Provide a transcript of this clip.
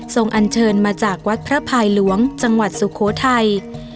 อันเชิญมาจากวัดพระพายหลวงจังหวัดสุโขทัย